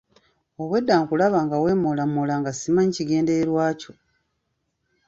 Obwedda nkulaba nga weemoolamoola nga simanyi kigendererwa kyo.